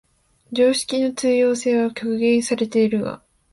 常識の通用性は局限されているが、